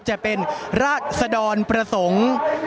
จะเป็นราชสะดอนประสงค์